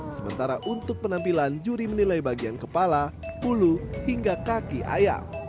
sementara untuk penampilan juri menilai bagian kepala pulu hingga kaki ayam